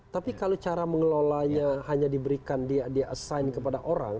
tapi kalau cara mengelolanya hanya diberikan dia assign kepada orang